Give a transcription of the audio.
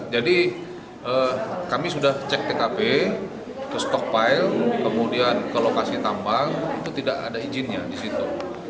jadi kami sudah cek tkp ke stokpail kemudian ke lokasi tambang itu tidak ada izinnya di situ